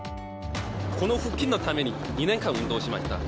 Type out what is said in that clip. この腹筋のために２年間運動しました。